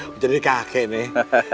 menjadi kakek nih